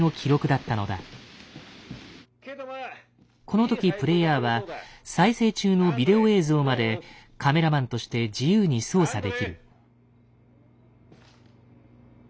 この時プレイヤーは再生中のビデオ映像までカメラマンとして自由に操作できる。